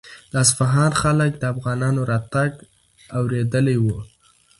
د اصفهان خلک د افغانانو راتګ اورېدلی و.